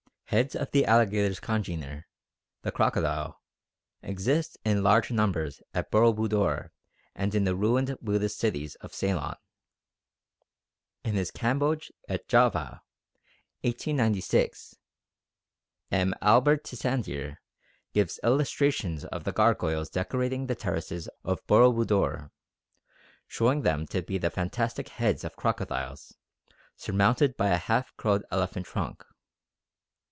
Heads of the alligator's congener, the crocodile, exist in large numbers at Boro Budor and in the ruined Buddhist cities of Ceylon. In his Cambodge et Java (1896) M. Albert Tissandier gives illustrations of the gargoyles decorating the terraces of Boro Budor, showing them to be the fantastic heads of crocodiles, surmounted by a half curled elephant trunk.